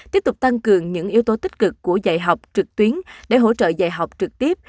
tiếp tục tăng cường những yếu tố tích cực của dạy học trực tuyến để hỗ trợ dạy học trực tiếp